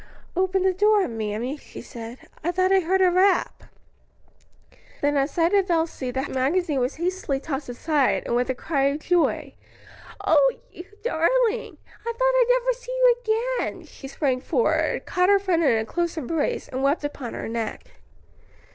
"Open the door, mammy," she said, "I thought I heard a rap." Then at sight of Elsie, the magazine was hastily tossed aside, and with a cry of joy, "Oh, you darling! I thought I'd never see you again," she sprang forward, caught her friend in a close embrace, and wept upon her neck.